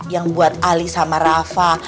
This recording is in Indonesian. yang buat ali sama rafa